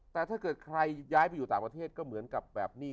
แต่ถ้าเกิดใครย้ายไปอยู่ต่างประเทศก็เหมือนกับแบบนี้